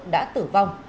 đã tử vong